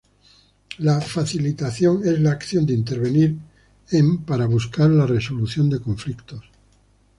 La "facilitación" es la acción de intervenir en para buscar la resolución de conflictos.